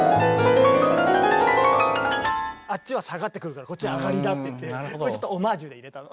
あっちは下がってくるからこっちは上がりだっていってこれちょっとオマージュで入れたの。